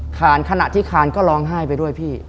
ขณะที่คานก็ร้องไห้ไปด้วยพี่